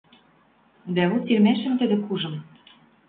Дӓ вот сирмӓшӹм тӹдӹ кужым